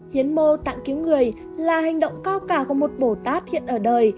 hiến mô tạng cứu người là hành động cao cả của một bồ tát hiện ở đời